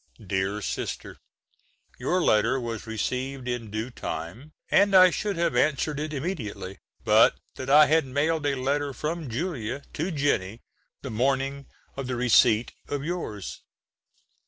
DEAR SISTER: Your letter was received in due time and I should have answered it immediately, but that I had mailed a letter from Julia to Jennie the morning of the receipt of yours.